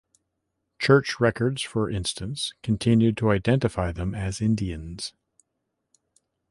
Church records, for instance, continued to identify them as Indians.